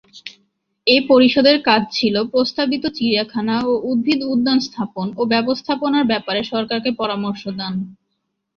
এ পরিষদের কাজ ছিল প্রস্তাবিত চিড়িয়াখানা ও উদ্ভিদ উদ্যান স্থাপন ও ব্যবস্থাপনার ব্যাপারে সরকারকে পরামর্শ দান।